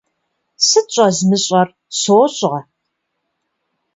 Сыт щӏэзмыщӏэр, сощӀэ!